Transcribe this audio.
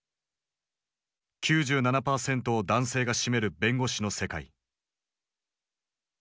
９７％を男性が占める弁護士の世界。